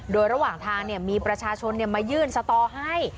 โดยระหว่างทางมีประชาชนมายื่นสตอให้